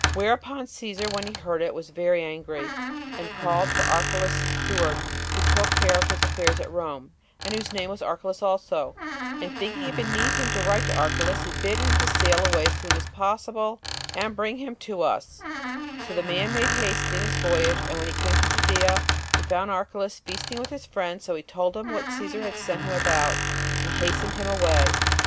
Whereupon Cæsar, when he heard it, was very angry, and called for Archelaus's steward, who took care of his affairs at Rome, and whose name was Archelaus also; and thinking it beneath him to write to Archelaus, he bid him sail away as soon as possible, and bring him to us: so the man made haste in his voyage, and when he came into Judea, he found Archelaus feasting with his friends; so he told him what Cæsar had sent him about, and hastened him away.